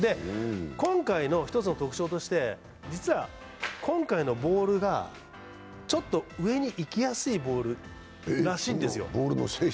今回の一つの特徴として実は今回のボールがちょっと上に行きやすいボールらしいんですよ。